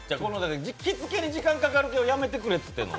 着付けに時間がかかるからやめてくれって言ってる。